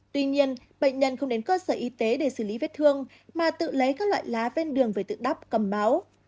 tuy nhiên bệnh nhân không đến cơ sở y tế để xử lý vết thương mà tự lấy các loại lá bên đường về tự đắp cầm máu